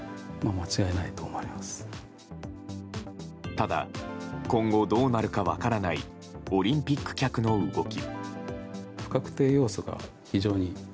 ただ、今後どうなるか分からないオリンピック客の動き。